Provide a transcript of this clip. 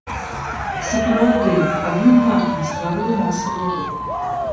Сапраўды, адным махам стварыў масавы рух.